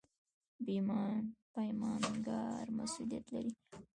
پیمانکار مسوولیت لري